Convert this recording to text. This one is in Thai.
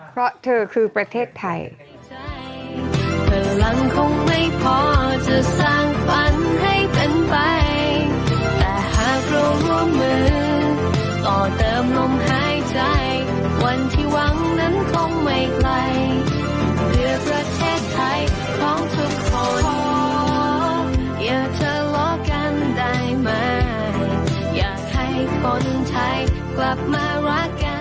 อยากให้คนไทยกลับมารักกัน